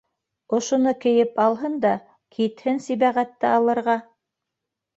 Ошоно кейеп алһын да, китһен Сибәғәтте алырға.